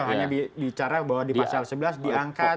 hanya bicara bahwa di pasal sebelas diangkat